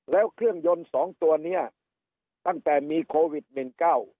แล้วเครื่องยนต์สองตัวเนี้ยตั้งแต่มีโควิดหนึ่งเก้า